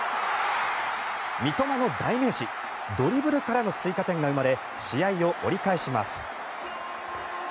三苫の代名詞ドリブルからの追加点が生まれ試合を折り返します。